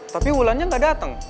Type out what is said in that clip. tapi wulannya gak dateng